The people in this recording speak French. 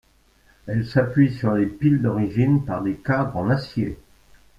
Elle s'appuie sur les piles d’origine par des cadres en acier.